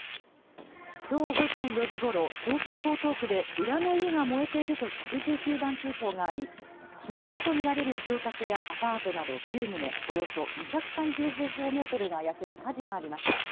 きょう午前４時ごろ、東京江東区で裏の家がもえていると１１９番通報があり、火元とみられる住宅やアパートなど９棟、およそ２３０平方メートルが焼ける火事がありました。